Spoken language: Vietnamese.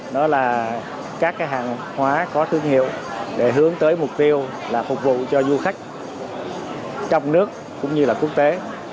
đó là các hàng hóa có thương hiệu để hướng tới mục tiêu là phục vụ cho du khách trong nước cũng như là quốc tế